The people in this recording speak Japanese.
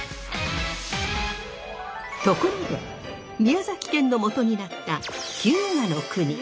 ところで宮崎県のもとになった日向国。